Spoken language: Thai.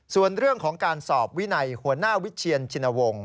ส่วนเรื่องของการสอบวินัยหัวหน้าวิเชียนชินวงศ์